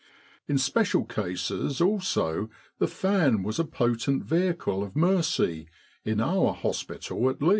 In special cases also the fan was a potent vehicle of mercy, in our hospital at least.